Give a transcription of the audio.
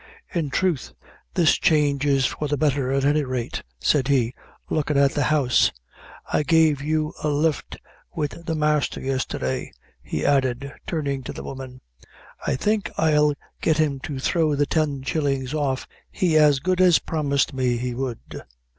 "In troth, this change is for the betther, at any rate," said he, looking at the house; "I gave you a lift wid the masther yestherday," he added, turning to the woman. "I think I'll get him to throw the ten shillings off he as good as promised me he would."